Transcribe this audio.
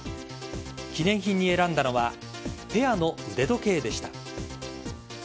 記念品に選んだのはペアの腕時計でした。